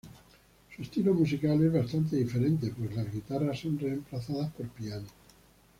Su estilo musical es bastante diferente pues las guitarras son reemplazadas por piano.